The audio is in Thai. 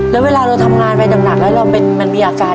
ทับผลไม้เยอะเห็นยายบ่นบอกว่าเป็นยังไงครับ